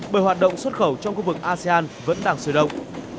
bởi hoạt động xuất khẩu trong khu vực asean vẫn đang sửa động